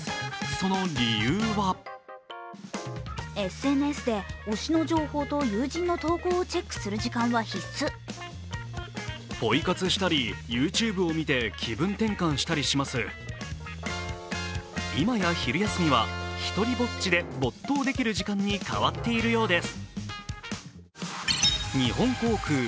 その理由は今や昼休みは、ひとりぼっちで没頭できる時間に変わっているようです。